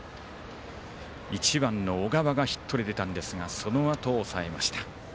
１番の小川がヒットで出たんですがそのあと抑えました。